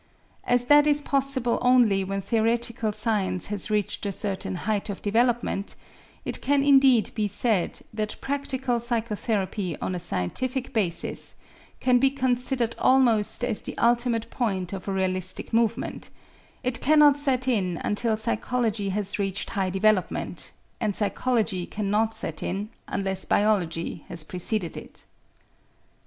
As that is possible only when theoretical science has reached a certain height of development, it can indeed be said that practical psychotherapy on a scientific basis can be considered almost as the ultimate point of a realistic movement; it cannot set in until psychology has reached high development, and psychology cannot set in unless biology has preceded it.